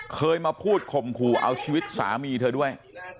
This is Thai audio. เคยมาพูดข่มขู่เอาชีวิตสามีเธอด้วย